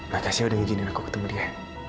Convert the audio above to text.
makasih udah izinin aku ketemu dia